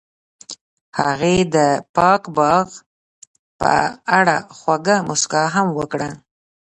هغې د پاک باغ په اړه خوږه موسکا هم وکړه.